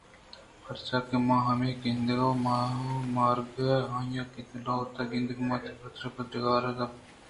پرچہ کہ من ہمے گِندگ ءُ مارگ ءَ آں کہ دلوت ءُ گُنگدامانی پُترگ ءِ پد تئی غار ءِ دپ ءَوَ استاں